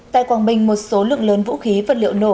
tại quảng bình một số lượng lớn vũ khí vật liệu nổ